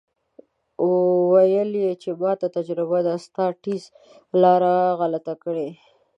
ویل یې چې ماته تجربه ده ستا ټیز لاره غلطه کړې.